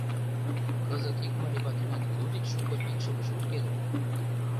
Кызыт ик марий ватынат лу деч шуко икшывыже уке дыр.